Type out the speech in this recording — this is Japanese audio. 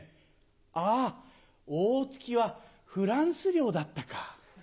あ大月はフランス領だったか。